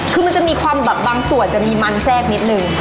คือมันจะมีความแบบบางส่วนจะมีมันแทรกนิดนึง